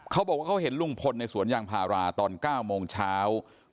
เขาบอกว่าเขาเห็นลุงพลในสวนยางพาราตอน๙โมงเช้า